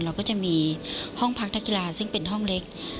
เราก็จะมีห้องพักนักกีฬาซึ่งเป็นห้องเล็ก